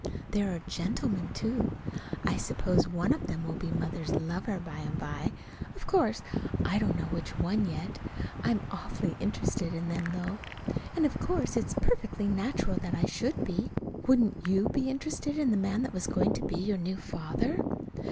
There are gentlemen, too. I suppose one of them will be Mother's lover by and by; but of course I don't know which one yet. I'm awfully interested in them, though. And of course it's perfectly natural that I should be. Wouldn't you be interested in the man that was going to be your new father?